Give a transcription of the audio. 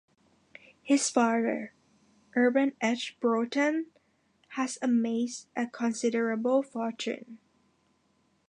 His father, Urban H. Broughton, had amassed a considerable fortune.